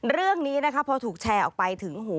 เรื่องนี้นะคะพอถูกแชร์ออกไปถึงหู